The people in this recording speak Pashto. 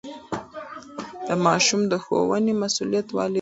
د ماشوم د ښوونې مسئولیت والدین لري.